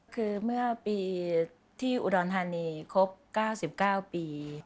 คือเมื่อปีที่อุดรธานีครบ๙๙ปี